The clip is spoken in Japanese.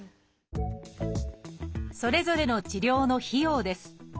それぞれの治療の費用です。